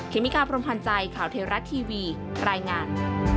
เมกาพรมพันธ์ใจข่าวเทวรัฐทีวีรายงาน